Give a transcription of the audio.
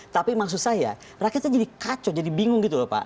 tapi maksud saya rakyatnya jadi kacau jadi bingung gitu loh pak